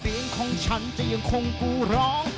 เสียงของฉันจะยังคงกูร้อง